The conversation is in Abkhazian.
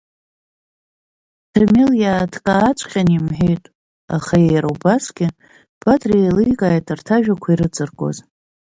Ҭамел иааҭкааҵәҟьаны имҳәеит, аха иара убасгьы Бадра еиликааит арҭ ажәақәа ирыҵаркуаз…